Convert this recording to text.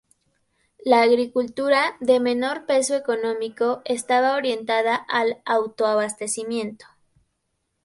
La agricultura, de menor peso económico, estaba orientada al autoabastecimiento.